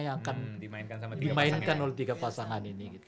yang akan dimainkan oleh tiga pasangan ini